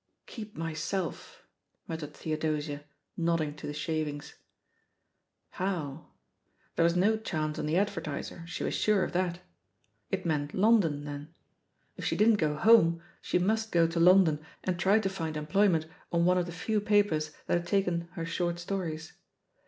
"'Keep myself 1" muttered Theodosia, nodding to the shavingSi, How? There was no chance on The jidver^ tUer, she was sure of that. It meant London, then I If she didn't go home, she must go to ffHE POSITION OP PEGGY HARPER 17« Iiondon and try to find employment on one of the few papers that had taken her short stories.